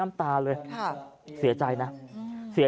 ชาวบ้านญาติโปรดแค้นไปดูภาพบรรยากาศขณะ